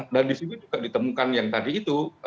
dan disini juga ditemukan yang tadi itu